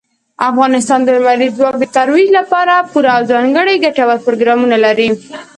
افغانستان د لمریز ځواک د ترویج لپاره پوره او ځانګړي ګټور پروګرامونه لري.